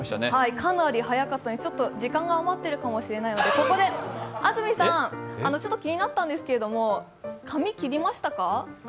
かなり早かったのでかなり時間があまっているかもしれないのでここで安住さん、ちょっと気になったんですけども、髪、切りましたか？